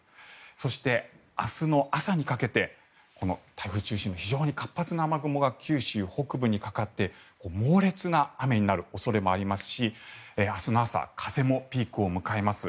そして、明日の朝にかけて台風中心の非常に活発な雨雲が九州北部にかかって猛烈な雨になる恐れもありますし明日の朝風もピークを迎えます。